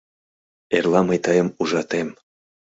— Эрла мый тыйым ужатем.